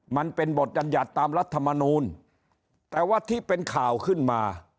มันเป็นบทบัญญัติตามรัฐมนูลแต่ว่าที่เป็นข่าวขึ้นมา